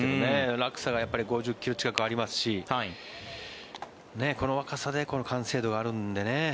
落差が５０ｋｍ近くありますしこの若さでこの完成度があるのでね